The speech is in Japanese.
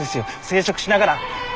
生殖しながら。